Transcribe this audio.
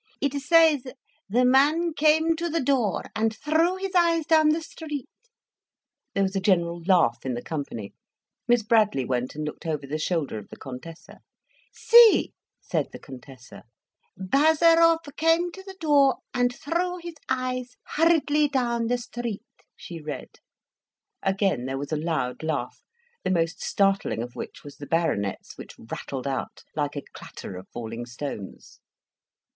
"It says the man came to the door and threw his eyes down the street." There was a general laugh in the company. Miss Bradley went and looked over the shoulder of the Contessa. "See!" said the Contessa. "Bazarov came to the door and threw his eyes hurriedly down the street," she read. Again there was a loud laugh, the most startling of which was the Baronet's, which rattled out like a clatter of falling stones.